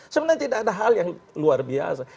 sebenarnya tidak ada hal yang luar biasa